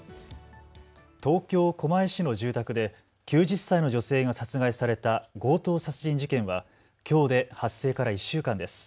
東京狛江市の住宅で９０歳の女性が殺害された強盗殺人事件はきょうで発生から１週間です。